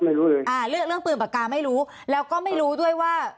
ไม่รู้เลยอ่าเรื่องเรื่องปืนปากกาไม่รู้แล้วก็ไม่รู้ด้วยว่า